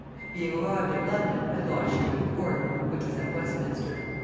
"Being arrived at London I lodged near the court, which was at Westminster.